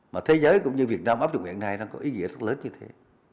mà thế giới cũng như việt nam ấp trục hiện nay đang có ý nghĩa rất lớn như thế